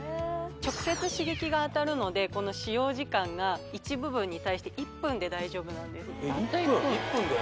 直接刺激が当たるのでこの使用時間が１部分に対して１分で大丈夫なんですたった１分１分で？